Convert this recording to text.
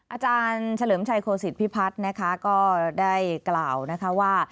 อาจารย์เฉลิมชัยโคศิษฐพิพัฒน์นะคะก็ได้กล่าวนะคะว่า